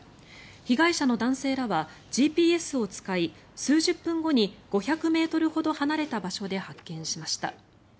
被害者の男性らはＧＰＳを使い数十分後に５００ｍほど離れた場所で発見しました。